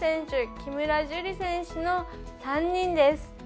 木村朱里選手の３人です。